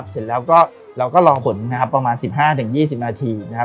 เสร็จแล้วเราก็รอผลประมาณ๑๕๒๐นาที